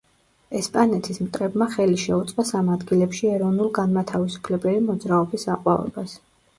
ესპანეთის მტრებმა ხელი შეუწყეს ამ ადგილებში ეროვნულ-განმათავისუფლებელი მოძრაობის აყვავებას.